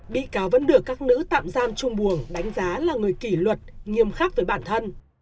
bị cáo vẫn được các nữ tạm giam trung buồng đánh giá là người kỷ luật nghiêm khắc với bản thân